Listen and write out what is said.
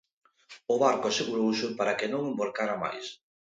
O barco asegurouse para que non envorcara máis...